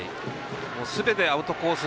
すべてアウトコース